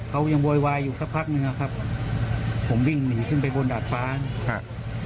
เขายังโวยวายอยู่สักพักหนึ่งอะครับผมวิ่งหนีขึ้นไปบนดาดฟ้าครับ